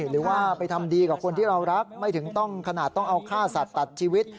หรือว่าไปทำดีกับคนที่เรารักไม่ถึงต้องขนาดต้องเอาฆ่าสัตว์ตัดชีวิต